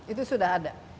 itu sudah ada